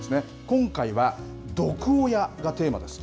今回は毒親がテーマです。